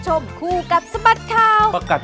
สวัสดีครับ